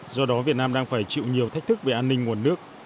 do đó việt nam đang phải chịu nhiều thách thức về an ninh nguồn nước